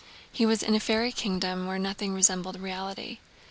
He was in a fairy kingdom where nothing resembled reality.